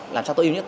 làm sao tối ưu nhất